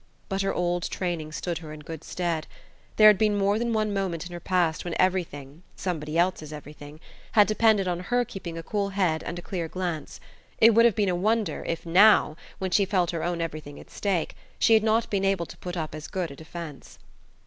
But her old training stood her in good stead. There had been more than one moment in her past when everything somebody else's everything had depended on her keeping a cool head and a clear glance. It would have been a wonder if now, when she felt her own everything at stake, she had not been able to put up as good a defence.